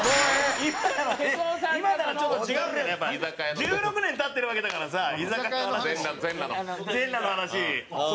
１６年経ってるわけだからさ居酒屋の話も。